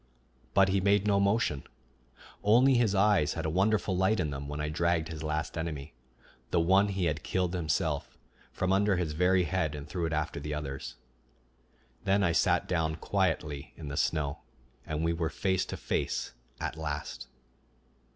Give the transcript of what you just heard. But he made no motion; only his eyes had a wonderful light in them when I dragged his last enemy, the one he had killed himself, from under his very head and threw it after the others. Then I sat down quietly in the snow, and we were face to face at last.